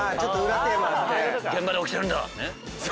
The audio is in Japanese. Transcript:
「現場で起きてるんだ！」ね。